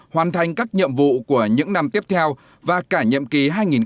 hoàn thành các nhiệm vụ của những năm tiếp theo và cả nhiệm kỳ hai nghìn một mươi sáu hai nghìn hai mươi một